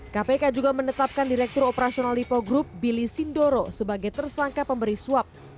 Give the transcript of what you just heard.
kpk juga menetapkan direktur operasional lipo group billy sindoro sebagai tersangka pemberi suap